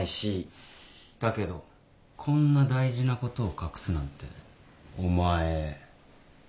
だけどこんな大事なことを隠すなんてお前。